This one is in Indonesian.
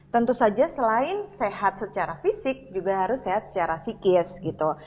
tentu saja selain sehat secara fisik juga harus sehat secara psikis gitu